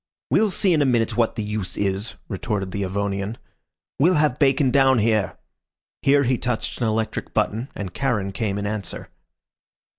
"We'll see in a minute what the use is," retorted the Avonian. "We'll have Bacon down here." Here he touched an electric button, and Charon came in answer.